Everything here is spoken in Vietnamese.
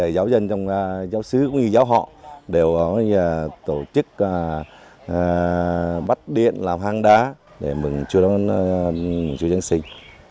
giáo dân trong giáo sứ cũng như giáo họ đều tổ chức bắt điện làm hang đá để mừng cho dân sinh